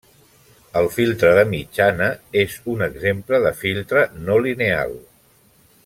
El filtre de mitjana és un exemple de filtre no lineal.